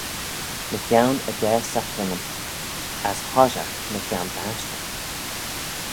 Mychione y daa sacrament; as hoshiaght mychione bashtey.